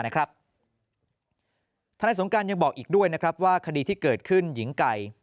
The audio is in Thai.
นายสงการยังบอกอีกด้วยนะครับว่าคดีที่เกิดขึ้นหญิงไก่